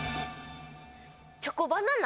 チョコバナナ